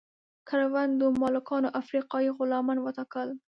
کروندو مالکانو افریقایي غلامان وټاکل.